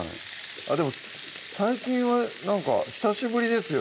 でも最近はなんか久しぶりですよ